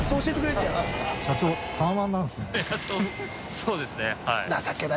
そうですねはい。